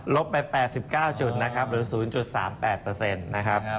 ลบไป๘๙จุดนะครับหรือ๐๓๘เปอร์เซ็นต์นะครับ